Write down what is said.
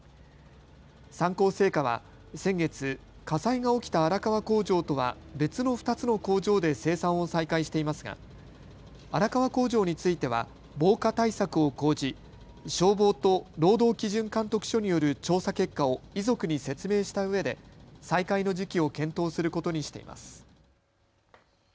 三幸製菓は先月、火災が起きた荒川工場とは別の２つの工場で生産を再開していますが荒川工場については防火対策を講じ、消防と労働基準監督署による調査結果を遺族に説明したうえで再開の時期を検討することにしています。